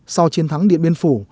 sau chiến thắng điện biên phủ